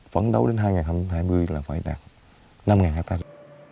phấn đấu đến hai nghìn hai mươi là phải đạt năm ngàn hectare rừng